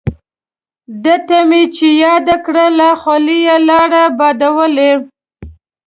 دته مې چې یاده کړه له خولې یې لاړې بادولې.